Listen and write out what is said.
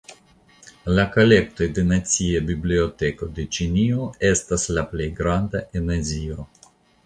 La kolektoj de la nacia biblioteko de Ĉinio estas la plej grandaj en Azio.